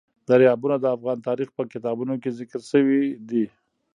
دریابونه د افغان تاریخ په کتابونو کې ذکر شوی دي.